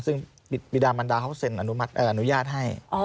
ซึ่งบีดามันดาเขาเซ็นอนุญาตให้